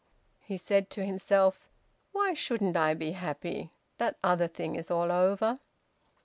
He said to himself "Why shouldn't I be happy? That other thing is all over!"